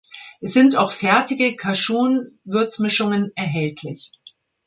Es sind auch fertige Cajun-Würzmischungen erhältlich.